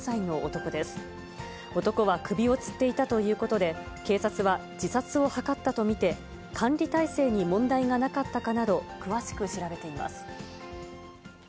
男は首をつっていたということで、警察は、自殺を図ったと見て、管理体制に問題がなかったかなど、詳しく調べています。